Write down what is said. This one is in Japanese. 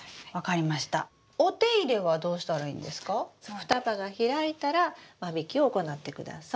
双葉が開いたら間引きを行ってください。